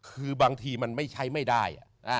คือบางทีมันไม่ใช้ไม่ได้